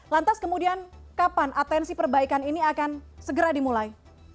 lantas kemudian kapan atensi perbaikan ini akan segera dimulai